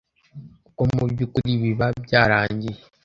kuko mu by’ukuri biba byarangiye